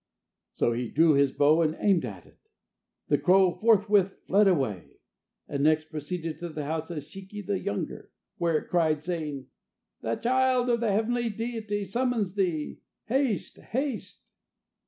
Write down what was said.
So he drew his bow and aimed at it. The crow forthwith fled away, and next proceeded to the house of Shiki the younger, where it cried, saying: "The child of the heavenly deity summons thee. Haste! haste!"